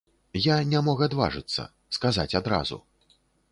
Я не мог адважыцца, сказаць адразу.